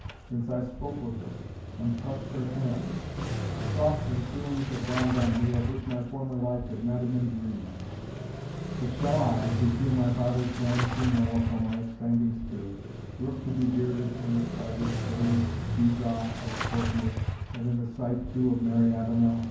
Since I spoke with her, and touched her hand, thoughts and feelings have dawned on me, of which my former life had not even dreamed; but shall I, who feel my father's glen too narrow for my expanding spirit, brook to be bearded in it by this vain gewgaw of a courtier, and in the sight too of Mary Avenel?